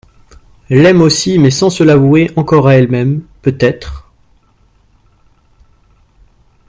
L’aime aussi, mais sans se l’avouer encore à elle-même, peut-être…